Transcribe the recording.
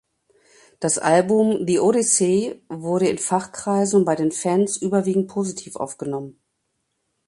Das Album "The Odyssey" wurde in Fachkreisen und bei den Fans überwiegend positiv aufgenommen.